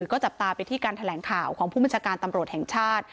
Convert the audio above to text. ก็จับตาไปที่การแถลงข่าวของผู้บัญชาการตำรวจแห่งชาติ